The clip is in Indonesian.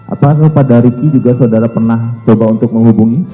apakah pak riki juga saudara pernah coba untuk menghubungi